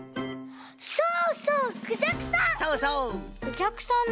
そうそうクジャクさん！